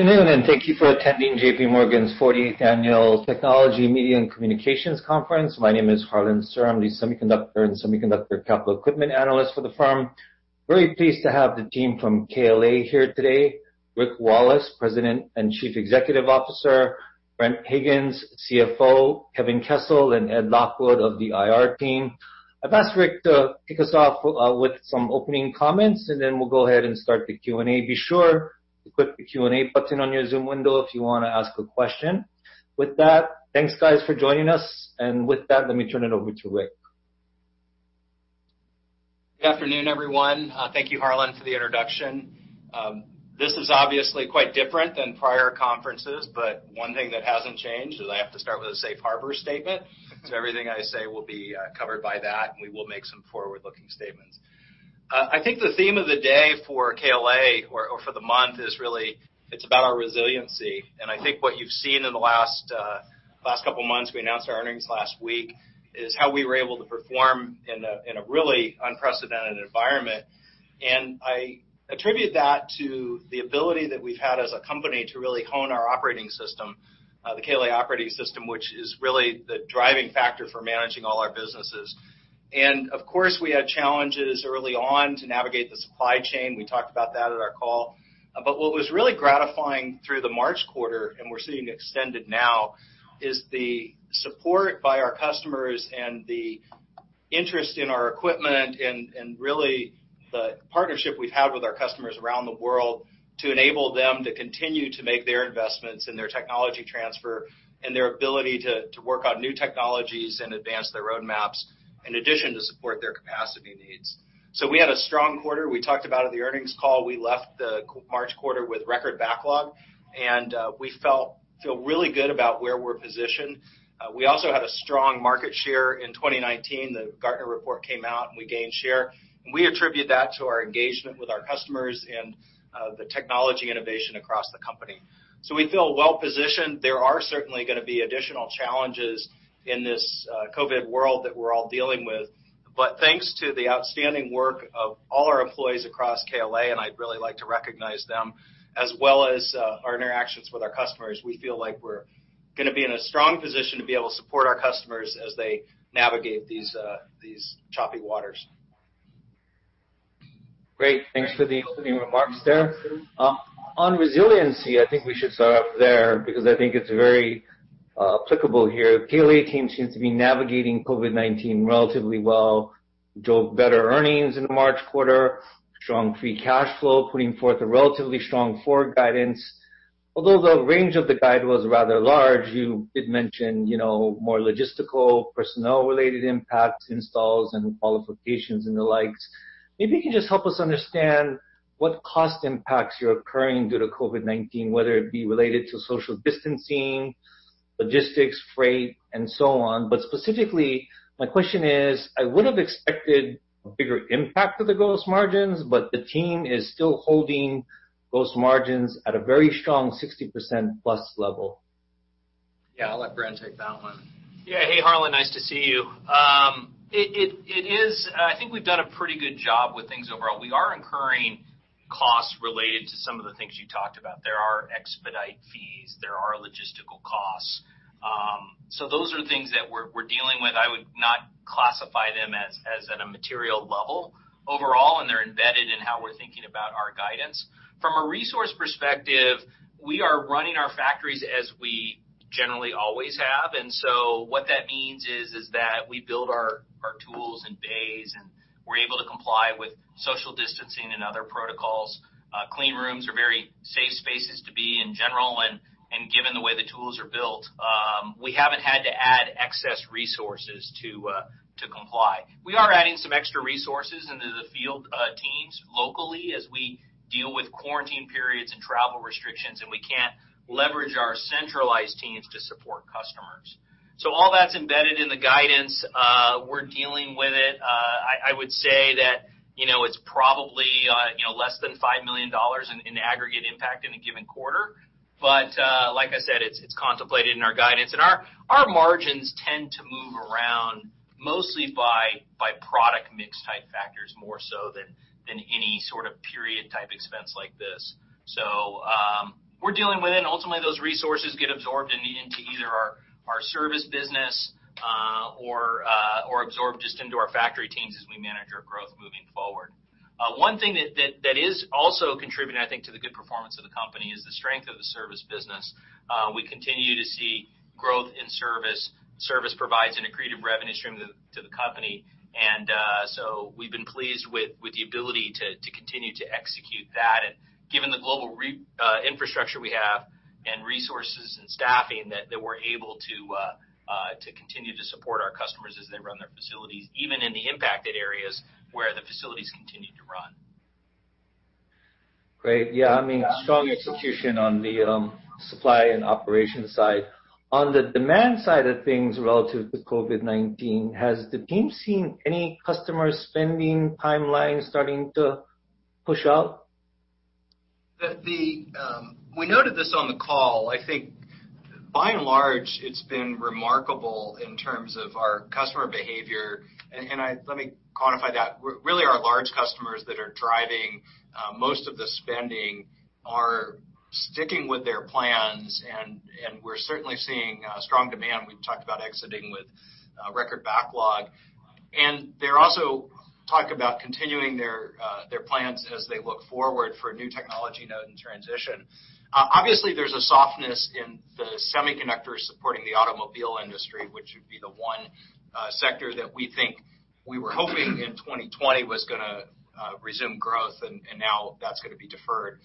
Afternoon, and thank you for attending JPMorgan's 40th Annual Technology, Media & Communications Conference. My name is Harlan Sur. I'm the Semiconductor and Semiconductor Capital Equipment analyst for the firm. Very pleased to have the team from KLA here today. Rick Wallace, President and Chief Executive Officer, Bren Higgins, CFO, Kevin Kessel, and Ed Lockwood of the IR team. I've asked Rick to kick us off with some opening comments, and then we'll go ahead and start the Q&A. Be sure to click the Q&A button on your Zoom window if you want to ask a question. With that, thanks, guys, for joining us, and with that, let me turn it over to Rick Wallace. Good afternoon, everyone. Thank you, Harlan, for the introduction. This is obviously quite different than prior conferences, but one thing that hasn't changed is I have to start with a safe harbor statement. Everything I say will be covered by that, and we will make some forward-looking statements. I think the theme of the day for KLA, or for the month, is really, it's about our resiliency. I think what you've seen in the last couple of months, we announced our earnings last week, is how we were able to perform in a really unprecedented environment. I attribute that to the ability that we've had as a company to really hone our operating system, the KLA Operating System, which is really the driving factor for managing all our businesses. Of course, we had challenges early on to navigate the supply chain. We talked about that at our call. What was really gratifying through the March quarter, and we're seeing extended now, is the support by our customers and the interest in our equipment and really the partnership we've had with our customers around the world to enable them to continue to make their investments in their technology transfer and their ability to work on new technologies and advance their roadmaps in addition to support their capacity needs. We had a strong quarter. We talked about at the earnings call, we left the March quarter with record backlog, and we feel really good about where we're positioned. We also had a strong market share in 2019. The Gartner report came out, and we gained share. We attribute that to our engagement with our customers and the technology innovation across the company. We feel well-positioned. There are certainly going to be additional challenges in this COVID world that we're all dealing with. Thanks to the outstanding work of all our employees across KLA, and I'd really like to recognize them, as well as our interactions with our customers, we feel like we're going to be in a strong position to be able to support our customers as they navigate these choppy waters. Great. Thanks for the opening remarks there. On resiliency, I think we should start off there because I think it's very applicable here. KLA team seems to be navigating COVID-19 relatively well, drove better earnings in the March quarter, strong free cash flow, putting forth a relatively strong forward guidance. The range of the guide was rather large, you did mention more logistical, personnel-related impacts, installs, and qualifications and the likes. Maybe you can just help us understand what cost impacts you're occurring due to COVID-19, whether it be related to social distancing, logistics, freight, and so on. Specifically, my question is, I would have expected a bigger impact to the gross margins, but the team is still holding gross margins at a very strong 60%+ level. Yeah, I'll let Bren Higgins take that one. Yeah. Hey, Harlan. Nice to see you. I think we've done a pretty good job with things overall. We are incurring costs related to some of the things you talked about. There are expedite fees. There are logistical costs. Those are things that we're dealing with. I would not classify them as at a material level overall, and they're embedded in how we're thinking about our guidance. From a resource perspective, we are running our factories as we generally always have, and so what that means is that we build our tools in bays, and we're able to comply with social distancing and other protocols. Clean rooms are very safe spaces to be in general, and given the way the tools are built, we haven't had to add excess resources to comply. We are adding some extra resources into the field teams locally as we deal with quarantine periods and travel restrictions, and we can't leverage our centralized teams to support customers. All that's embedded in the guidance. We're dealing with it. I would say that it's probably less than $5 million in aggregate impact in a given quarter. Like I said, it's contemplated in our guidance. Our margins tend to move around mostly by product mix type factors, more so than any sort of period type expense like this. We're dealing with it, and ultimately those resources get absorbed into either our service business, or absorbed just into our factory teams as we manage our growth moving forward. One thing that is also contributing, I think, to the good performance of the company is the strength of the service business. We continue to see growth in service. Service provides an accretive revenue stream to the company. We've been pleased with the ability to continue to execute that. Given the global infrastructure we have and resources and staffing that we're able to continue to support our customers as they run their facilities, even in the impacted areas where the facilities continue to run. Great. Yeah. I mean, strong execution on the supply and operations side. On the demand side of things relative to COVID-19, has the team seen any customer spending timelines starting to push out? We noted this on the call, I think. It's been remarkable in terms of our customer behavior. Let me quantify that. Really, our large customers that are driving most of the spending are sticking with their plans, and we're certainly seeing strong demand. We've talked about exiting with record backlog. They're also talk about continuing their plans as they look forward for a new technology node and transition. Obviously, there's a softness in the semiconductors supporting the automobile industry, which would be the one sector that we think we were hoping in 2020 was going to resume growth, and now that's going to be deferred.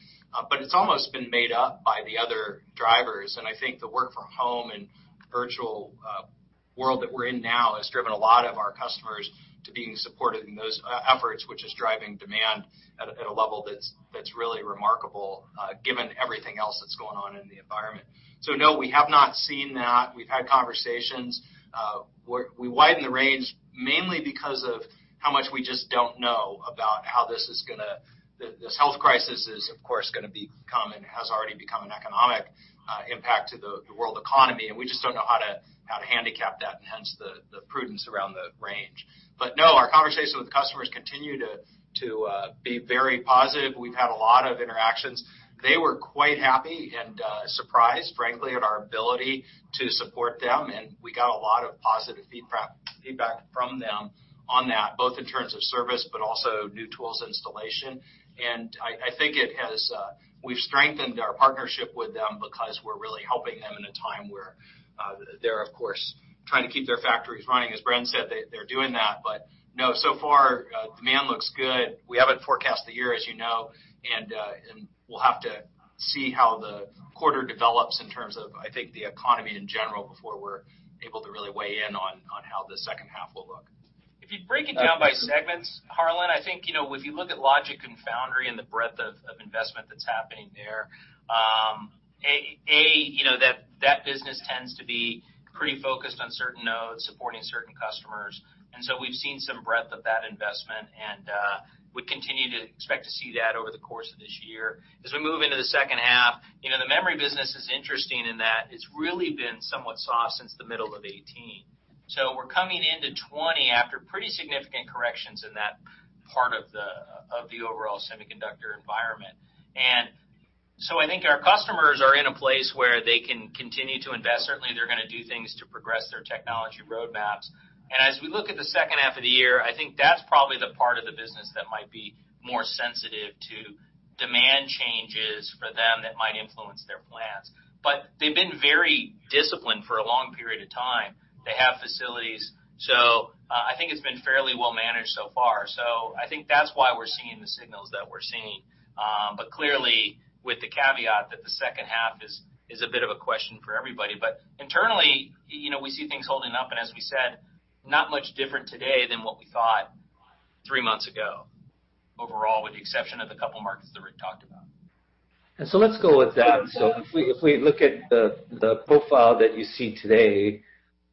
It's almost been made up by the other drivers, and I think the work from home and virtual world that we're in now has driven a lot of our customers to being supported in those efforts, which is driving demand at a level that's really remarkable, given everything else that's going on in the environment. No, we have not seen that. We've had conversations, we widened the range mainly because of how much we just don't know about how this health crisis is, of course, going to become and has already become an economic impact to the world economy, and we just don't know how to handicap that, and hence the prudence around the range. No, our conversations with customers continue to be very positive. We've had a lot of interactions. They were quite happy and surprised, frankly, at our ability to support them, and we got a lot of positive feedback from them on that, both in terms of service, but also new tools installation. I think we've strengthened our partnership with them because we're really helping them in a time where they're, of course, trying to keep their factories running. As Bren said, they're doing that. No, so far, demand looks good. We haven't forecast the year, as you know, and we'll have to see how the quarter develops in terms of, I think, the economy in general, before we're able to really weigh in on how the second half will look. If you break it down by segments, Harlan, I think, if you look at logic and foundry and the breadth of investment that's happening there, A, that business tends to be pretty focused on certain nodes supporting certain customers. We've seen some breadth of that investment, and we continue to expect to see that over the course of this year. As we move into the second half, the memory business is interesting in that it's really been somewhat soft since the middle of 2018. We're coming into 2020 after pretty significant corrections in that part of the overall semiconductor environment. I think our customers are in a place where they can continue to invest. Certainly, they're going to do things to progress their technology roadmaps. As we look at the second half of the year, I think that's probably the part of the business that might be more sensitive to demand changes for them that might influence their plans. They've been very disciplined for a long period of time. They have facilities. I think it's been fairly well managed so far. I think that's why we're seeing the signals that we're seeing. Clearly, with the caveat, that the second half is a bit of a question for everybody. Internally, we see things holding up, and as we said, not much different today than what we thought three months ago overall, with the exception of the couple of markets that Rick talked about. Let's go with that. If we look at the profile that you see today,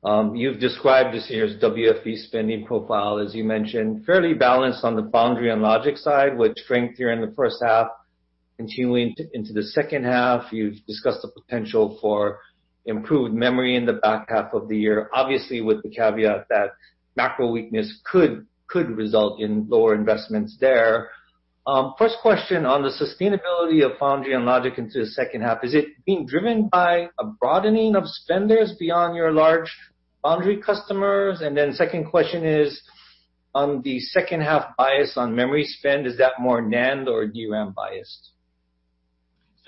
you've described this year's Wafer Fab Equipment spending profile, as you mentioned, fairly balanced on the foundry and logic side, with strength here in the first half continuing into the second half. You've discussed the potential for improved memory in the back half of the year, obviously with the caveat that macro weakness could result in lower investments there. First question on the sustainability of foundry and logic into the second half, is it being driven by a broadening of spenders beyond your large foundry customers? Second question is on the second half bias on memory spend, is that more NAND or Dynamic Random Access Memory biased?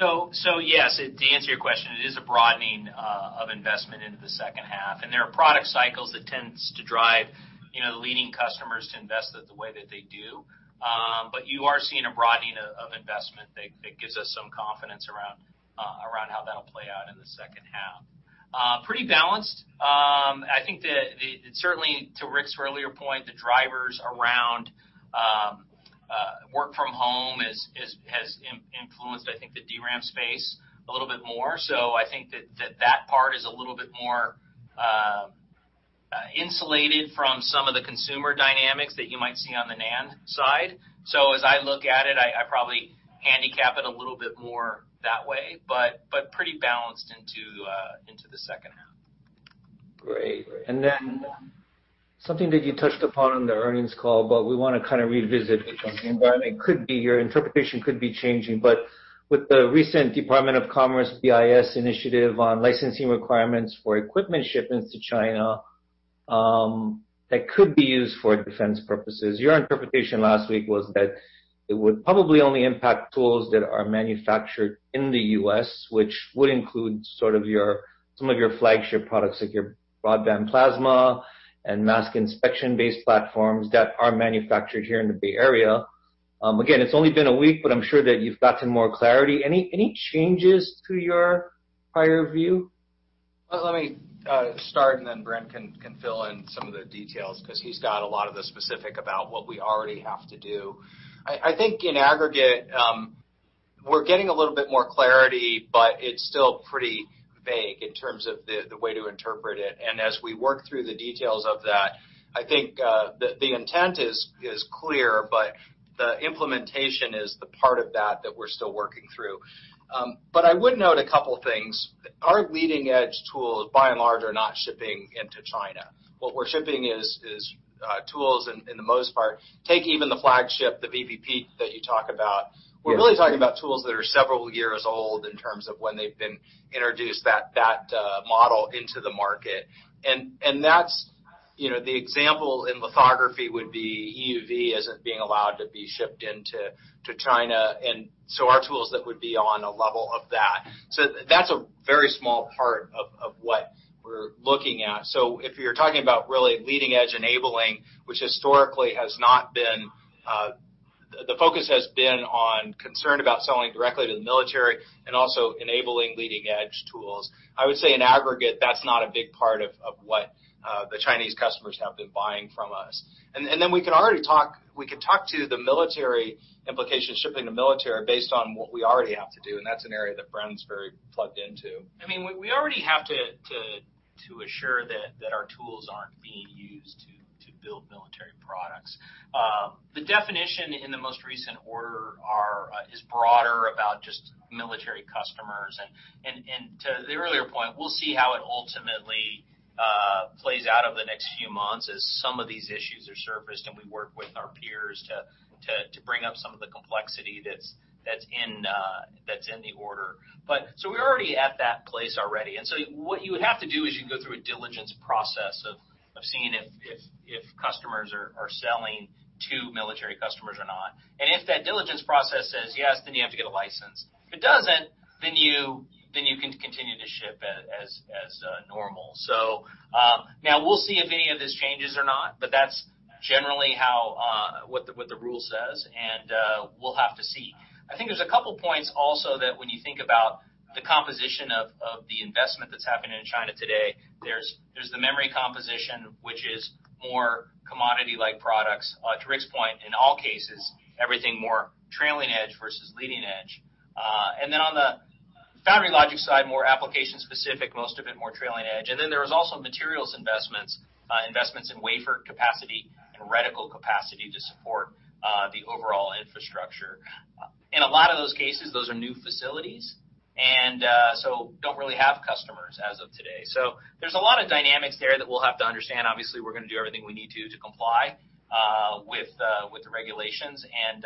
Yes, to answer your question, it is a broadening of investment into the second half, and there are product cycles that tends to drive leading customers to invest the way that they do. You are seeing a broadening of investment that gives us some confidence around how that'll play out in the second half. Pretty balanced. I think that certainly, to Rick's earlier point, the drivers around work from home has influenced, I think, the DRAM space a little bit more. I think that that part is a little bit more insulated from some of the consumer dynamics that you might see on the NAND side. As I look at it, I probably handicap it a little bit more that way, but pretty balanced into the second half. Great. Something that you touched upon on the earnings call, but we want to kind of revisit with you. I mean, your interpretation could be changing, but with the recent Department of Commerce Bureau of Industry and Security initiative on licensing requirements for equipment shipments to China, that could be used for defense purposes. Your interpretation last week was that it would probably only impact tools that are manufactured in the U.S., which would include some of your flagship products, like your Broadband Plasma and mask inspection-based platforms that are manufactured here in the Bay Area. Again, it's only been a week, but I'm sure that you've gotten more clarity. Any changes to your prior view? Let me start, and then Bren can fill in some of the details because he's got a lot of the specific about what we already have to do. I think in aggregate, we're getting a little bit more clarity, but it's still pretty vague in terms of the way to interpret it. As we work through the details of that, I think the intent is clear, but the implementation is the part of that that we're still working through. I would note a couple things. Our leading-edge tools, by and large, are not shipping into China. What we're shipping is tools in the most part. Take even the flagship, the Broadband Plasma that you talk about. Yeah. We're really talking about tools that are several years old in terms of when they've been introduced, that model into the market. The example in lithography would be Extreme Ultraviolet Light isn't being allowed to be shipped into China. Our tools that would be on a level of that. That's a very small part of what we're looking at. If you're talking about really leading-edge enabling, which historically the focus has been on concern about selling directly to the military and also enabling leading-edge tools. I would say in aggregate, that's not a big part of what the Chinese customers have been buying from us. We can talk to the military implications, shipping to military based on what we already have to do, and that's an area that Bren's very plugged into. We already have to assure that our tools aren't being used to build military products. The definition in the most recent order is broader about just military customers. To the earlier point, we'll see how it ultimately plays out over the next few months as some of these issues are surfaced and we work with our peers to bring up some of the complexity that's in the order. We're already at that place already. What you would have to do is you go through a diligence process of seeing if customers are selling to military customers or not. If that diligence process says yes, then you have to get a license. If it doesn't, then you can continue to ship as normal. Now we'll see if any of this changes or not, but that's generally what the rule says, and we'll have to see. I think there's a couple points also that when you think about the composition of the investment that's happening in China today, there's the memory composition, which is more commodity-like products. To Rick's point, in all cases, everything more trailing edge versus leading edge. On the foundry logic side, more application-specific, most of it more trailing edge. There is also materials investments in wafer capacity and reticle capacity to support the overall infrastructure. In a lot of those cases, those are new facilities, and so don't really have customers as of today. There's a lot of dynamics there that we'll have to understand. Obviously, we're going to do everything we need to do to comply with the regulations, and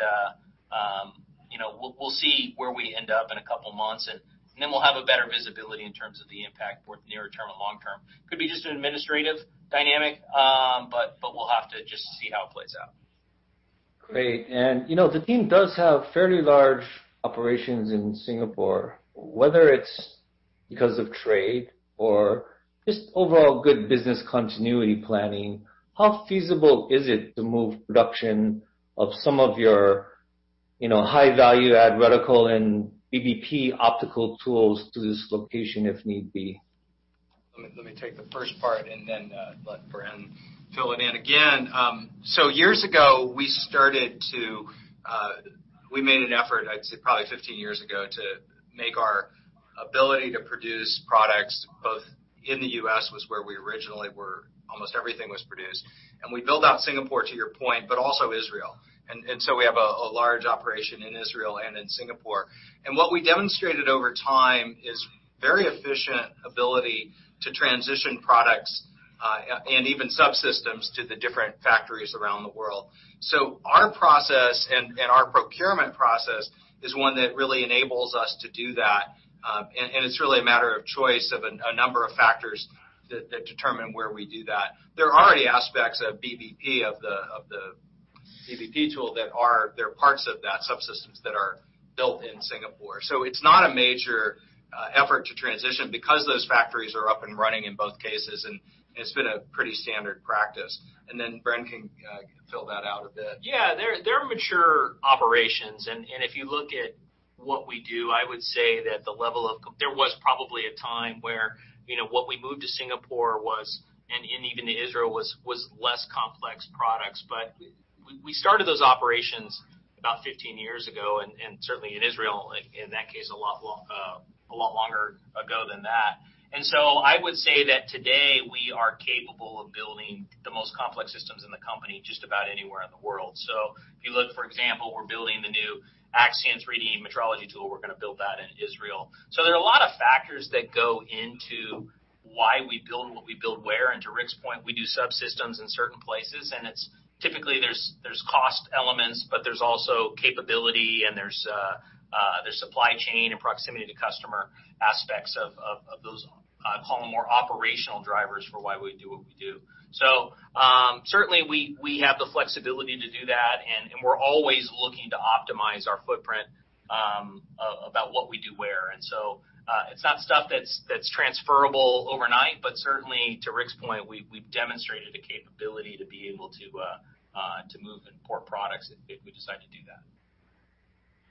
we'll see where we end up in a couple of months. We'll have a better visibility in terms of the impact both near term and long term. Could be just an administrative dynamic, but we'll have to just see how it plays out. Great. The team does have fairly large operations in Singapore. Whether it's because of trade or just overall good business continuity planning, how feasible is it to move production of some of your high-value add reticle and BBP optical tools to this location if need be? Let me take the first part and then let Bren fill it in again. Years ago, we made an effort, I'd say probably 15 years ago, to make our ability to produce products both in the U.S. was where we originally were, almost everything was produced. We built out Singapore, to your point, but also Israel. We have a large operation in Israel and in Singapore. What we demonstrated over time is very efficient ability to transition products, and even subsystems to the different factories around the world. Our process and our procurement process is one that really enables us to do that, and it's really a matter of choice of a number of factors that determine where we do that. There are already aspects of BBP, of the BBP tool that are parts of that subsystems that are built in Singapore. It's not a major effort to transition because those factories are up and running in both cases, and it's been a pretty standard practice. Bren can fill that out a bit. They're mature operations, and if you look at what we do, I would say that there was probably a time where what we moved to Singapore was, and even to Israel, was less complex products. We started those operations about 15 years ago, and certainly in Israel, in that case, a lot longer ago than that. I would say that today we are capable of building the most complex systems in the company just about anywhere in the world. If you look, for example, we're building the new X-ray metrology tool, we're going to build that in Israel. There are a lot of factors that go into why we build what we build where, and to Rick's point, we do subsystems in certain places, and typically there's cost elements, but there's also capability and there's supply chain and proximity to customer aspects of those, I'd call them more operational drivers for why we do what we do. Certainly we have the flexibility to do that, and we're always looking to optimize our footprint about what we do where. It's not stuff that's transferable overnight, but certainly to Rick's point, we've demonstrated a capability to be able to move and port products if we decide to do that.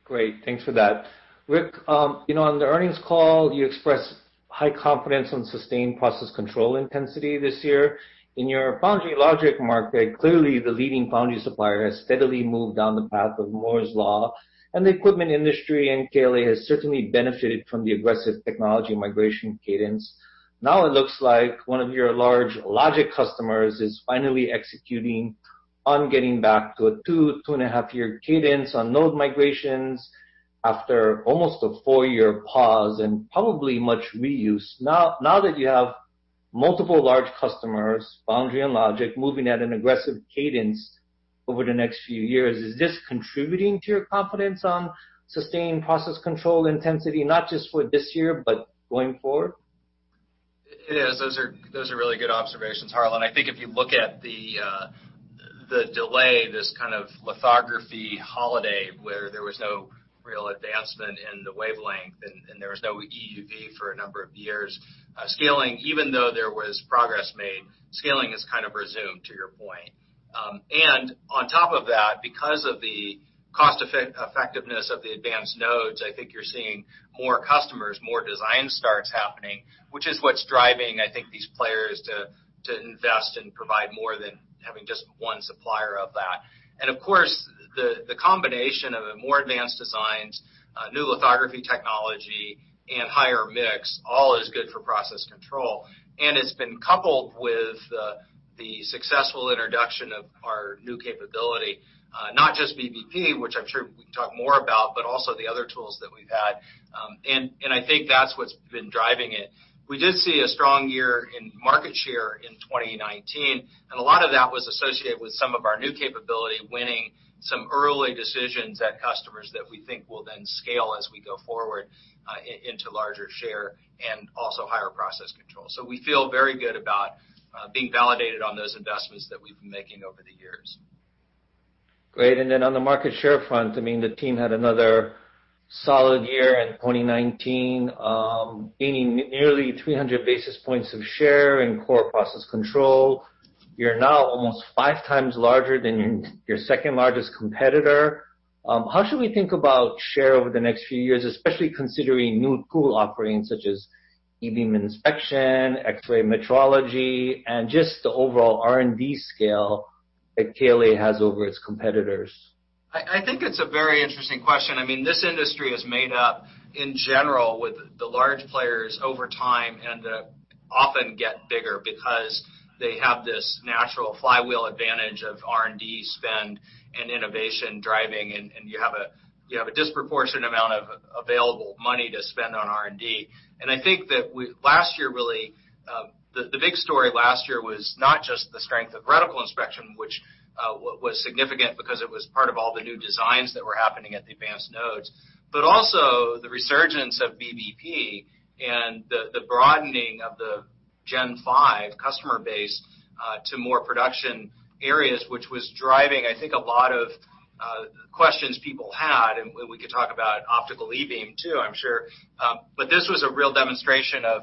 Great. Thanks for that. Rick, on the earnings call, you expressed high confidence on sustained process control intensity this year. In your foundry logic market, clearly the leading foundry supplier has steadily moved down the path of Moore's Law, and the equipment industry, and KLA has certainly benefited from the aggressive technology migration cadence. Now it looks like one of your large logic customers is finally executing on getting back to a 2.5 year cadence on node migrations after almost a four-year pause and probably much reuse. Now that you have multiple large customers, foundry and logic, moving at an aggressive cadence over the next few years, is this contributing to your confidence on sustained process control intensity, not just for this year, but going forward? It is. Those are really good observations, Harlan. I think if you look at the delay, this kind of lithography holiday, where there was no real advancement in the wavelength and there was no EUV for a number of years. Even though there was progress made, scaling has kind of resumed, to your point. On top of that, because of the cost effectiveness of the advanced nodes, I think you're seeing more customers, more design starts happening, which is what's driving, I think, these players to invest and provide more than having just one supplier of that. Of course, the combination of the more advanced designs, new lithography technology, and higher mix, all is good for process control. It's been coupled with the successful introduction of our new capability, not just BBP, which I'm sure we can talk more about, but also the other tools that we've had. I think that's what's been driving it. We did see a strong year in market share in 2019, and a lot of that was associated with some of our new capability, winning some early decisions at customers that we think will then scale as we go forward, into larger share and also higher process control. We feel very good about being validated on those investments that we've been making over the years. Great. On the market share front, the team had another solid year in 2019, gaining nearly 300 basis points of share in core process control. You're now almost 5x larger than your second-largest competitor. How should we think about share over the next few years, especially considering new tool offerings such as E-beam inspection, X-ray metrology, and just the overall R&D scale that KLA has over its competitors? I think it's a very interesting question. This industry is made up, in general, with the large players over time and often get bigger because they have this natural flywheel advantage of R&D spend and innovation driving, and you have a disproportionate amount of available money to spend on R&D. I think the big story last year was not just the strength of reticle inspection, which was significant because it was part of all the new designs that were happening at the advanced nodes, but also the resurgence of BBP and the broadening of the Gen5 customer base to more production areas, which was driving, I think, a lot of questions people had, and we could talk about optical E-beam too, I'm sure. This was a real demonstration of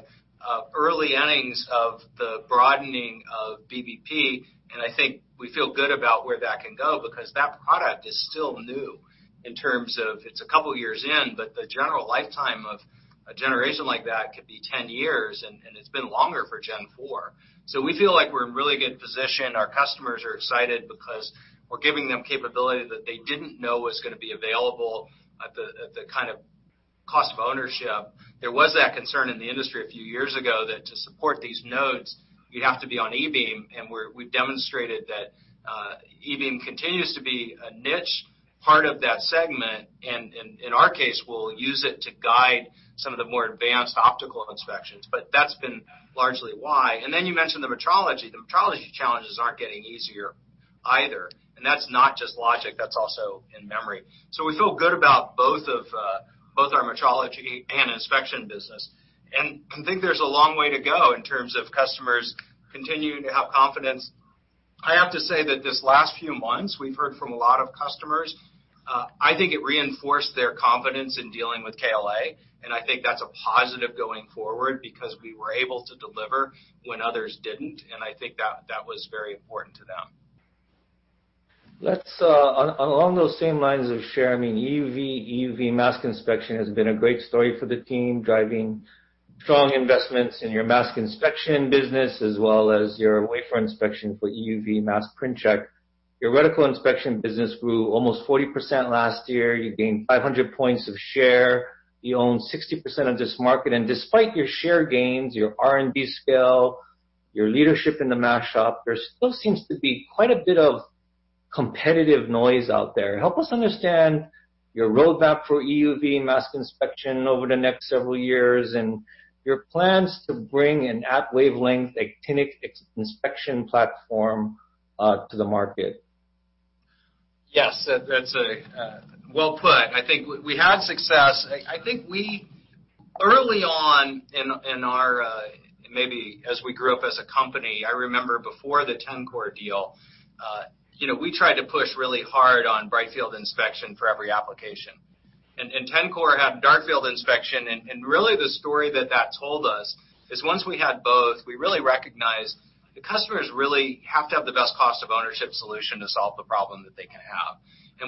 early innings of the broadening of BBP, and I think we feel good about where that can go because that product is still new in terms of, it's a couple of years in, but the general lifetime of a generation like that could be 10 years, and it's been longer for Gen4. We feel like we're in a really good position. Our customers are excited because we're giving them capability that they didn't know was going to be available at the kind of cost of ownership. There was that concern in the industry a few years ago that to support these nodes, you'd have to be on E-beam. We've demonstrated that E-beam continues to be a niche part of that segment, and in our case, we'll use it to guide some of the more advanced optical inspections. That's been largely why. You mentioned the metrology. The metrology challenges aren't getting easier either, and that's not just logic, that's also in memory. We feel good about both our metrology and inspection business, and I think there's a long way to go in terms of customers continuing to have confidence. I have to say that these last few months, we've heard from a lot of customers. I think it reinforced their confidence in dealing with KLA, and I think that's a positive going forward because we were able to deliver when others didn't, and I think that was very important to them. Along those same lines of share, EUV mask inspection has been a great story for the team, driving strong investments in your mask inspection business as well as your wafer inspection for EUV mask PrintCheck. Your reticle inspection business grew almost 40% last year. You gained 500 points of share. You own 60% of this market. Despite your share gains, your R&D scale, your leadership in the mask shop, there still seems to be quite a bit of competitive noise out there. Help us understand your roadmap for EUV mask inspection over the next several years and your plans to bring an at wavelength inspection platform to the market. Yes. That's well put. I think we had success. I think early on in our maybe as we grew up as a company, I remember before the Tencor deal, we tried to push really hard on bright field inspection for every application. Tencor had dark field inspection, and really the story that that told us is once we had both, we really recognized. The customers really have to have the best cost of ownership solution to solve the problem that they can have.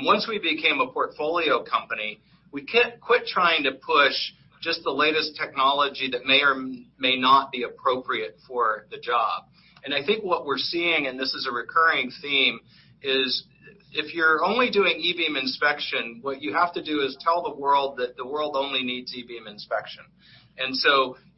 Once we became a portfolio company, we can't quit trying to push just the latest technology that may or may not be appropriate for the job. I think what we're seeing, and this is a recurring theme, is if you're only doing E-beam inspection, what you have to do is tell the world that the world only needs E-beam inspection.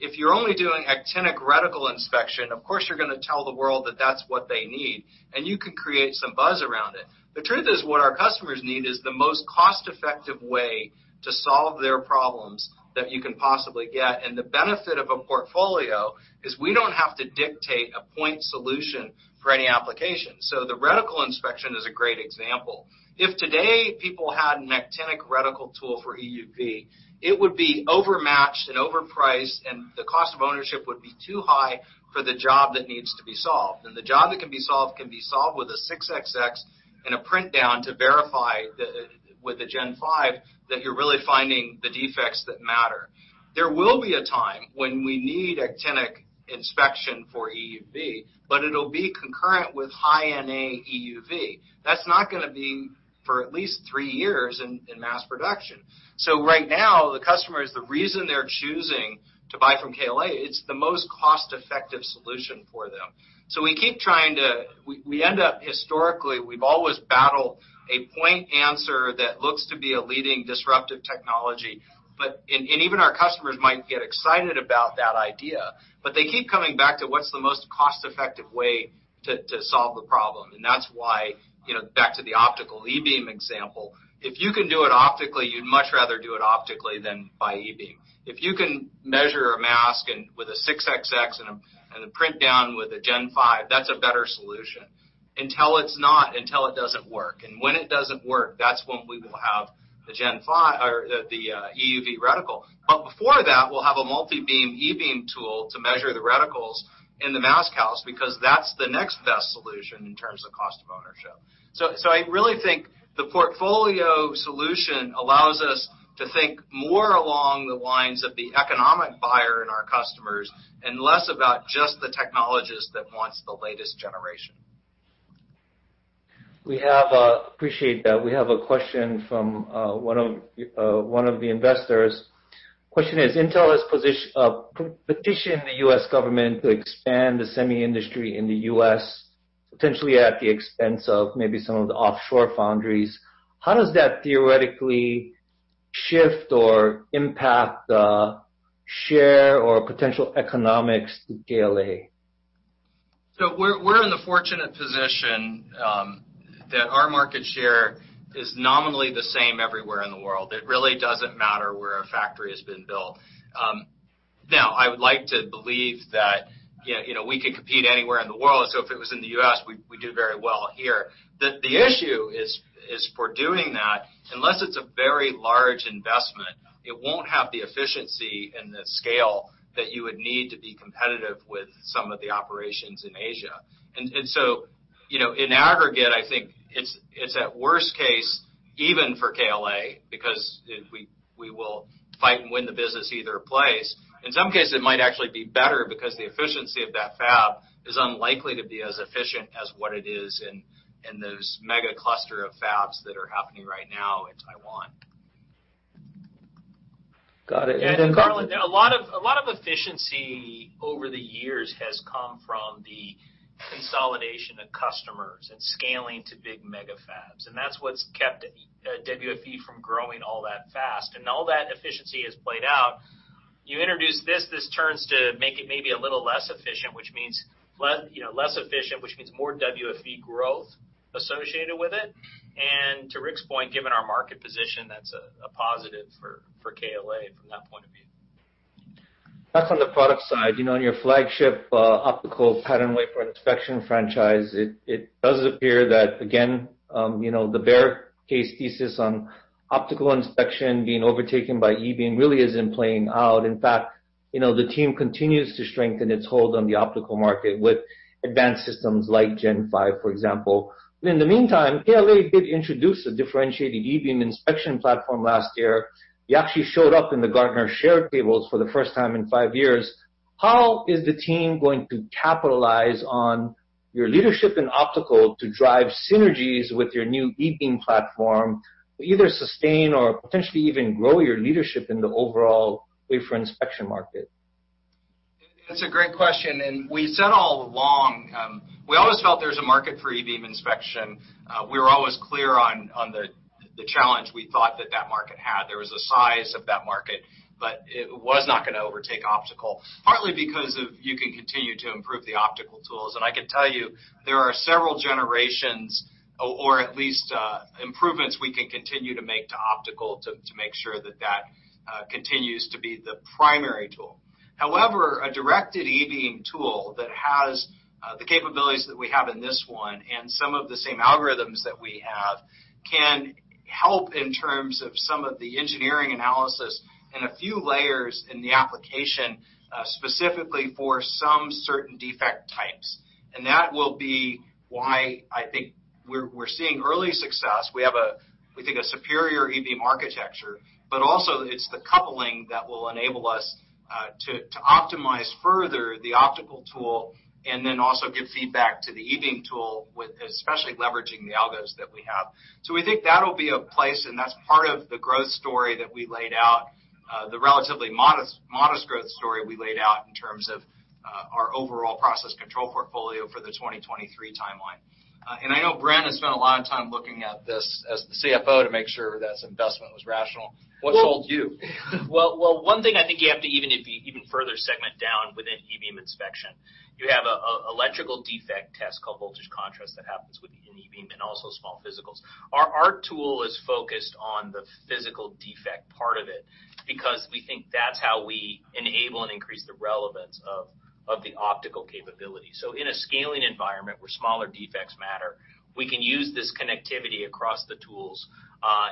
If you're only doing actinic reticle inspection, of course, you're going to tell the world that that's what they need, and you can create some buzz around it. The truth is, what our customers need is the most cost-effective way to solve their problems that you can possibly get. The benefit of a portfolio is we don't have to dictate a point solution for any application. The reticle inspection is a great example. If today people had an actinic reticle tool for EUV, it would be overmatched and overpriced, and the cost of ownership would be too high for the job that needs to be solved. The job that can be solved can be solved with a 6xx and a PrintCheck to verify with the Gen5 that you're really finding the defects that matter. There will be a time when we need actinic inspection for EUV, but it'll be concurrent with high NA EUV. That's not going to be for at least three years in mass production. Right now, the customers, the reason they're choosing to buy from KLA, it's the most cost-effective solution for them. We end up, historically, we've always battled a point answer that looks to be a leading disruptive technology, but even our customers might get excited about that idea, but they keep coming back to what's the most cost-effective way to solve the problem. That's why, back to the optical E-beam example. If you can do it optically, you'd much rather do it optically than by E-beam. If you can measure a mask and, with a 6xx and a print down with a Gen5, that's a better solution until it's not, until it doesn't work. When it doesn't work, that's when we will have the Gen5 or the EUV reticle. Before that, we'll have a multi-beam E-beam tool to measure the reticles in the mask house because that's the next best solution in terms of cost of ownership. I really think the portfolio solution allows us to think more along the lines of the economic buyer and our customers, and less about just the technologist that wants the latest generation. Appreciate that. We have a question from one of the investors. Question is, Intel has petition the U.S. government to expand the semi industry in the U.S., potentially at the expense of maybe some of the offshore foundries. How does that theoretically shift or impact the share or potential economics to KLA? We're in the fortunate position that our market share is nominally the same everywhere in the world. It really doesn't matter where a factory has been built. I would like to believe that we can compete anywhere in the world, so if it was in the U.S., we do very well here. The issue is for doing that, unless it's a very large investment, it won't have the efficiency and the scale that you would need to be competitive with some of the operations in Asia. In aggregate, I think it's at worst case even for KLA because we will fight and win the business either place. In some cases, it might actually be better because the efficiency of that fab is unlikely to be as efficient as what it is in those mega cluster of fabs that are happening right now in Taiwan. Got it. Yeah, Harlan, a lot of efficiency over the years has come from the consolidation of customers and scaling to big mega fabs. That's what's kept WFE from growing all that fast. All that efficiency has played out. You introduce this turns to make it maybe a little less efficient, which means more WFE growth associated with it. To Rick's point, given our market position, that's a positive for KLA from that point of view. That's on the product side. In your flagship optical patterned wafer inspection franchise, it does appear that, again, the bear case thesis on E-beam really isn't playing out. In fact, the team continues to strengthen its hold on the optical market with advanced systems like Gen5, for example. In the meantime, KLA did introduce a differentiated E-beam inspection platform last year. You actually showed up in the Gartner share tables for the first time in five years. How is the team going to capitalize on your leadership in optical to drive synergies with your new E-beam platform to either sustain or potentially even grow your leadership in the overall wafer inspection market? That's a great question. We said all along, we always felt there was a market for E-beam inspection. We were always clear on the challenge we thought that that market had. There was a size of that market, but it was not going to overtake optical, partly because of you can continue to improve the optical tools. I can tell you there are several generations, or at least improvements we can continue to make to optical to make sure that that continues to be the primary tool. A directed E-beam tool that has the capabilities that we have in this one and some of the same algorithms that we have can help in terms of some of the engineering analysis and a few layers in the application, specifically for some certain defect types. That will be why I think we're seeing early success. We have a, we think, a superior E-beam architecture. Also, it's the coupling that will enable us to optimize further the optical tool, then also give feedback to the E-beam tool with, especially leveraging the algos that we have. We think that'll be a place. That's part of the growth story that we laid out, the relatively modest growth story we laid out in terms of our overall process control portfolio for the 2023 timeline. I know Bren has spent a lot of time looking at this as the CFO to make sure this investment was rational. What sold you? Well, one thing I think you have to even further segment down within E-beam inspection. You have electrical defect test called voltage contrast that happens within E-beam and also small physicals. Our tool is focused on the physical defect part of it because we think that's how we enable and increase the relevance of the optical capability. In a scaling environment where smaller defects matter, we can use this connectivity across the tools,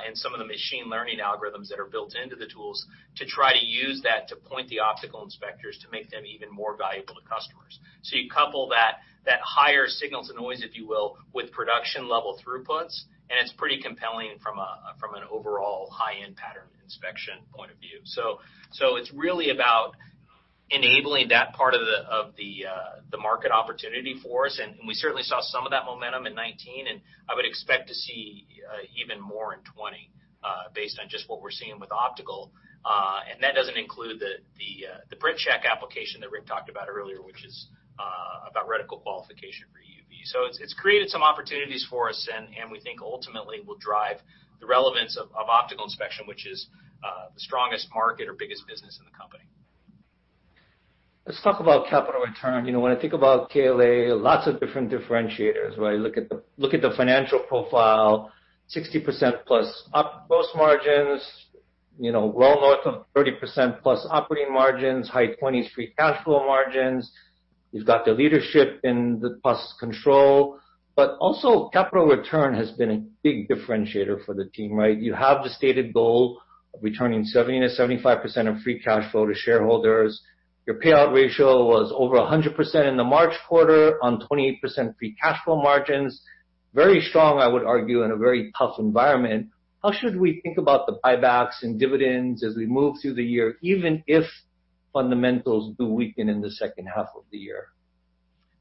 and some of the machine learning algorithms that are built into the tools to try to use that to point the optical inspectors to make them even more valuable to customers. You couple that higher signals-to-noise, if you will, with production level throughputs, and it's pretty compelling from an overall high-end pattern inspection point of view. It's really about enabling that part of the market opportunity for us, and we certainly saw some of that momentum in 2019, and I would expect to see even more in 2020, based on just what we're seeing with optical. That doesn't include the PrintCheck application that Rick talked about earlier, which is about reticle qualification for EUV. It's created some opportunities for us and we think ultimately will drive the relevance of optical inspection, which is the strongest market or biggest business in the company. Let's talk about capital return. When I think about KLA, lots of different differentiators, right? Look at the financial profile, 60%+ gross margins, well north of 30%+ operating margins, high 23% cash flow margins. You've got the leadership in the process control, but also capital return has been a big differentiator for the team, right? You have the stated goal of returning 70%-75% of free cash flow to shareholders. Your payout ratio was over 100% in the March quarter on 28% free cash flow margins. Very strong, I would argue, in a very tough environment. How should we think about the buybacks and dividends as we move through the year, even if fundamentals do weaken in the second half of the year?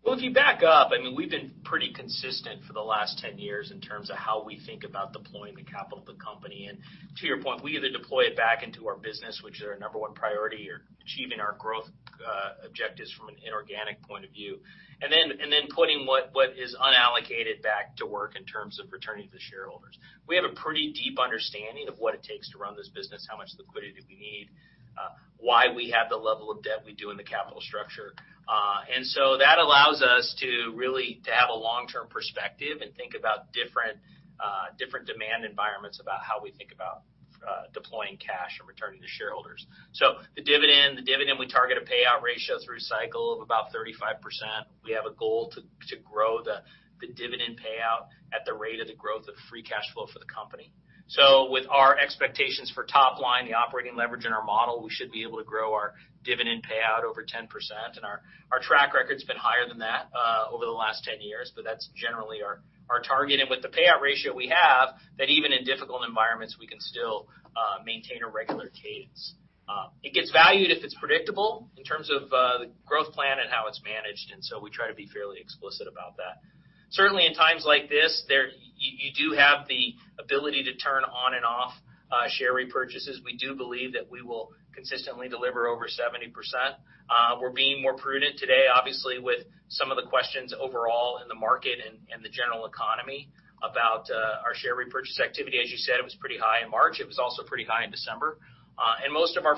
Well, if you back up, we've been pretty consistent for the last 10 years in terms of how we think about deploying the capital of the company, and to your point, we either deploy it back into our business, which is our number one priority, or achieving our growth objectives from an inorganic point of view. Putting what is unallocated back to work in terms of returning to shareholders. We have a pretty deep understanding of what it takes to run this business, how much liquidity do we need, why we have the level of debt we do in the capital structure. That allows us to really to have a long-term perspective and think about different demand environments about how we think about deploying cash and returning to shareholders. The dividend, we target a payout ratio through cycle of about 35%. We have a goal to grow the dividend payout at the rate of the growth of free cash flow for the company. With our expectations for top line, the operating leverage in our model, we should be able to grow our dividend payout over 10%, and our track record's been higher than that, over the last 10 years. That's generally our target. With the payout ratio we have, that even in difficult environments, we can still maintain a regular cadence. It gets valued if it's predictable in terms of the growth plan and how it's managed, we try to be fairly explicit about that. Certainly, in times like this, you do have the ability to turn on and off share repurchases. We do believe that we will consistently deliver over 70%. We're being more prudent today, obviously, with some of the questions overall in the market and the general economy about our share repurchase activity. As you said, it was pretty high in March. It was also pretty high in December. Most of our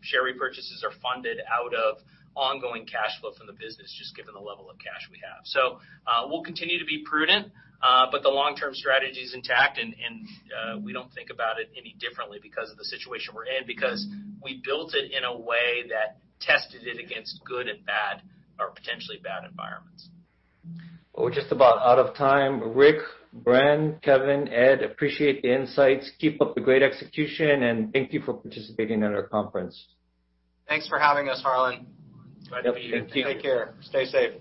share repurchases are funded out of ongoing cash flow from the business, just given the level of cash we have. We'll continue to be prudent, but the long-term strategy is intact and we don't think about it any differently because of the situation we're in, because we built it in a way that tested it against good and bad or potentially bad environments. We're just about out of time. Rick, Bren, Kevin, Ed, appreciate the insights. Keep up the great execution. Thank you for participating in our conference. Thanks for having us, Harlan. Glad to be here. Yep, thank you. Take care. Stay safe